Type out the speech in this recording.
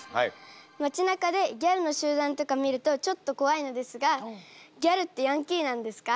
街なかでギャルの集団とか見るとちょっと怖いのですがギャルってヤンキーなんですか？